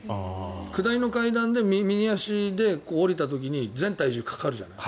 下りの階段で右足で下りた時に全体重がかかるじゃない。